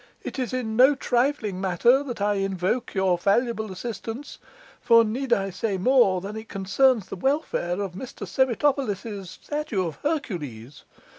It is in no trifling matter that I invoke your valuable assistance, for need I say more than it concerns the welfare of Mr Semitopolis's statue of Hercules?